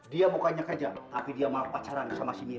dia mukanya kaja tapi dia mau pacaran sama si dia